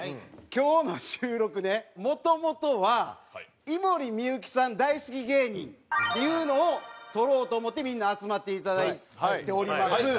今日の収録ねもともとは井森美幸さん大好き芸人っていうのを撮ろうと思ってみんな集まっていただいております。